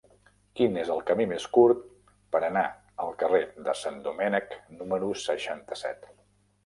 Quin és el camí més curt per anar al carrer de Sant Domènec número seixanta-set?